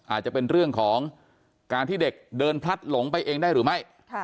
อาจจะเป็นเรื่องของการที่เด็กเดินพลัดหลงไปเองได้หรือไม่